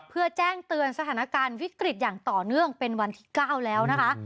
เพื่อแจ้งเตือนสถานการณ์วิกฤตอย่างต่อเนื่องเป็นวันที่๙แล้วนะคะ